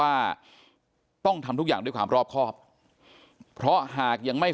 ว่าต้องทำทุกอย่างด้วยความรอบครอบเพราะหากยังไม่